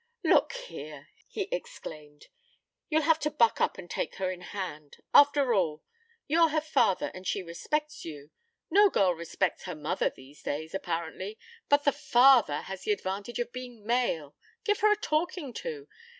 "Look here!" he exclaimed. "You'll have to buck up and take her in hand. After all, you're her father and she respects you. No girl respects her mother these days, apparently, but the father has the advantage of being male. Give her a talking to.